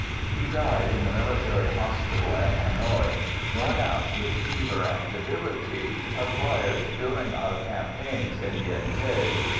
He died in the military hospital at Hanoï, worn out with fever and debility acquired during our campaigns in Yen Thé.